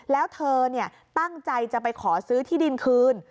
แล้วเธอตั้งใจจะไปขอซื้อที่ดินคืน